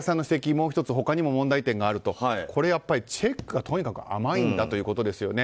もう１つポイントがあるとこれ、チェックがとにかく甘いんだということですよね。